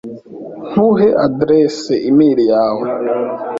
Ntuhe adresse imeri yawe.